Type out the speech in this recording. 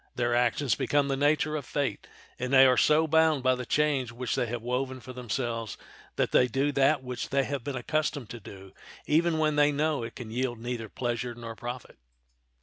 Their actions become of the nature of fate, and they are so bound by the chains which they have woven for themselves that they do that which they have been accustomed to do even when they know it can yield neither pleasure nor profit.